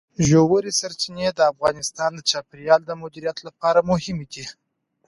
ژورې سرچینې د افغانستان د چاپیریال د مدیریت لپاره مهم دي.